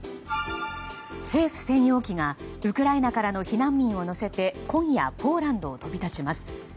政府専用機がウクライナからの避難民を乗せて今夜、ポーランドを飛び立ちます。